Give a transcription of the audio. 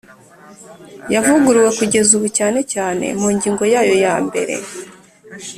yavuguruwe kugeza ubu cyane cyane mu ngingo yayo ya mbere